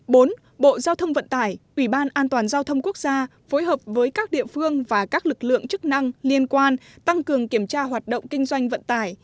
bốn bộ giao thông vận tải ủy ban an toàn giao thông quốc gia phối hợp với các địa phương và các lực lượng chức năng liên quan tăng cường kiểm tra hoạt động kinh doanh vận tải